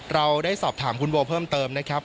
เราได้สอบถามคุณโบเพิ่มเติมนะครับ